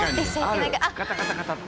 ガタガタガタッて。